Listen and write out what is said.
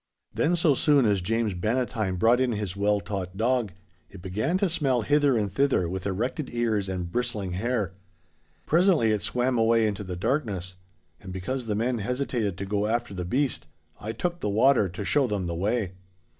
'Then so soon as James Bannatyne brought in his well taught dog, it began to smell hither and thither with erected ears and bristling hair. Presently it swam away into the darkness. And because the men hesitated to go after the beast, I took the water to show them the way.